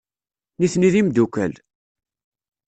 Nitni d imeddukal.